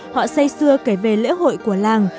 họ say xưa kể về lễ hội của làng